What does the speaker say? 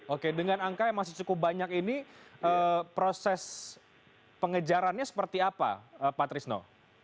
oke dengan angka yang masih cukup banyak ini proses pengejarannya seperti apa pak trisno